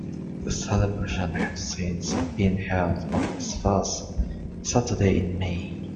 The celebrations have since been held on the first Saturday in May.